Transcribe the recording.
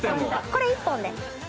これ１本で。